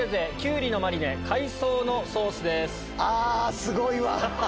すごいわ。